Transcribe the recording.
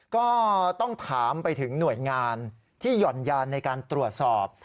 ก็ต้องถามไปถึงหน่วยงานที่หย่อนยานในการตรวจสอบ